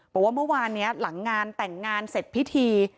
บอกว่าเมื่อวานนี้หลังงานแต่งงานเสร็จพิธี